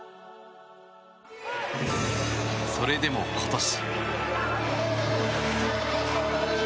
それでも、今年。